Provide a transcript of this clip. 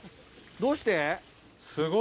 どうして？